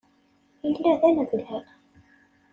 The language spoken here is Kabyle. Yella d aneblal.